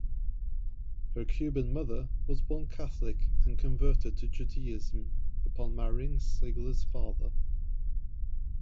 Her Cuban mother was born Catholic and converted to Judaism upon marrying Sigler's father.